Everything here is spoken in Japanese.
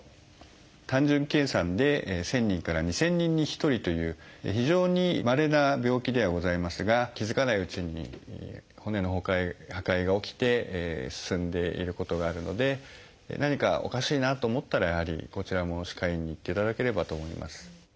単純計算で１，０００人から２，０００人に１人という非常にまれな病気ではございますが気付かないうちに骨の破壊が起きて進んでいることがあるので何かおかしいなと思ったらやはりこちらも歯科医院に行っていただければと思います。